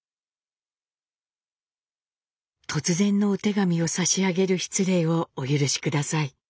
「突然のお手紙を差し上げる失礼をお許しください。